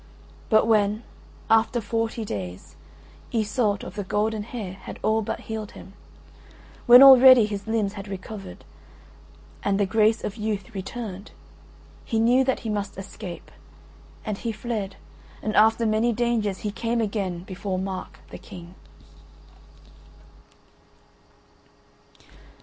But when, after forty days, Iseult of the Golden Hair had all but healed him, when already his limbs had recovered and the grace of youth returned, he knew that he must escape, and he fled and after many dangers he came again before Mark the King.